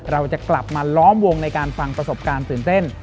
เราจะกลับมาล้อมวงในการฟังประสบการณ์ตื่นเต้น